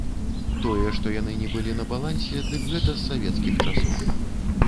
Тое, што яны не былі на балансе, дык гэта з савецкіх часоў.